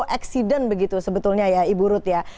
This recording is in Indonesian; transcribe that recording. zero accident begitu sebetulnya ya ibu rut ya